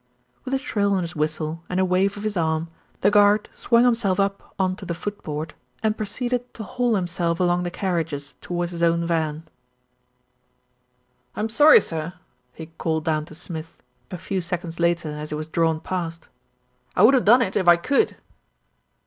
With a shrill on his whistle and a wave of his arm, the guard swung himself up on to the footboard, 22 THE RETURN OF ALFRED and proceeded to haul himself along the carriages, towards his own van. "I'm sorry, sir," he called down to Smith, a few seconds later as he was drawn past. "I would have done it if I could."